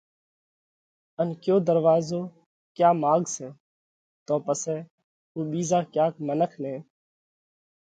ان ڪيو ڌروازو ڪيا ماڳ سئہ تو پسئہ اُو ٻِيزا ڪياڪ منک نئہ